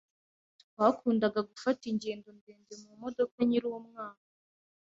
Twakundaga gufata ingendo ndende mumodoka nkiri umwana.